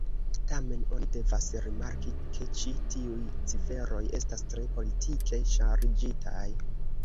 Tamen, oni devas rimarki ke ĉi tiuj ciferoj estas tre politike ŝarĝitaj.